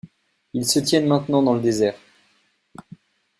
Ils se tiennent maintenant dans le désert.